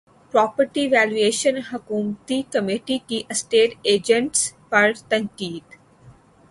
property valuation حکومتی committee کی estate agents پر تنقید